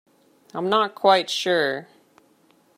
I'm not quite sure.